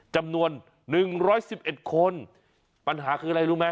จำนวน๑๑๑คนปัญหาคืออะไรรู้ไหม